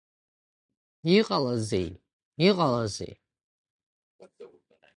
Иҟалазеи, иҟалазеи?!